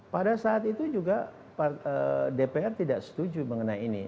pada saat itu juga dpr tidak setuju mengenai ini